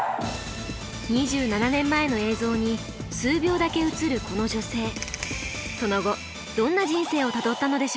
２７年前の映像に数秒だけ映るこの女性。